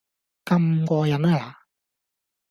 咁過癮吖嗱